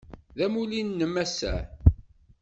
D amulli-nnem ass-a?